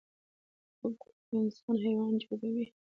توپک له انسان حیوان جوړوي.